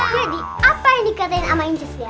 jadi apa yang dikatain sama injesnya